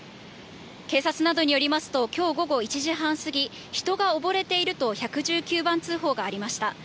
警察などによりますと、きょう午後１時半過ぎ、人が溺れていると、１１９番通報がありました。